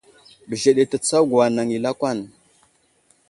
Bəzeɗe tətsago anaŋ i lakwan.